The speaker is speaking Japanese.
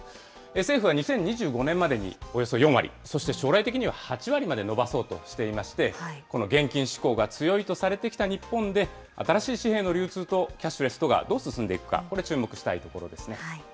政府は２０２５年までにおよそ４割、そして将来的には８割まで伸ばそうとしていまして、この現金志向が強いとされてきた日本で、新しい紙幣の流通とキャッシュレスとがどう進んでいくか、これ、注目したいところですね。